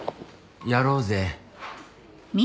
やろうぜ。